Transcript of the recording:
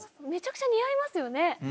めちゃくちゃ似合いますよね。